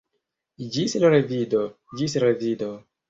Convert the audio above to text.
Ĝis revido; ĝis revido!